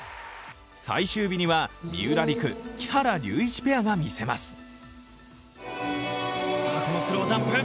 最終日には三浦璃来・木原龍一ペアが見せます。